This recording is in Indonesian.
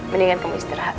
mendingan kamu istirahat